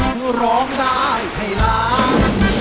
ทุกคนร้องได้ให้ร้าง